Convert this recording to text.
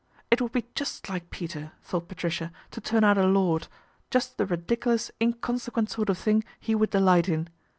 It would be just like Peter, thought Patricia, to turn out a lord, just the ridiculous, inconsequent sort of thing he would delight in.